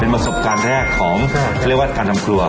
เป็นประสบการณ์แรกของการทำครัว